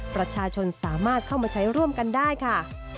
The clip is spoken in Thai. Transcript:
ประชาชนสามารถเข้ามาใช้ร่วมกันได้ค่ะ